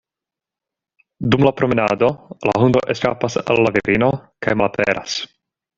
Dum la promenado, la hundo eskapas el la virino kaj malaperas.